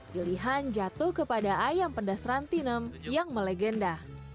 pilihan jatuh kepada ayam pedas rantinem yang melegenda